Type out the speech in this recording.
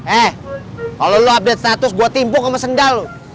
eh kalo lo update status gue timpuk sama sendal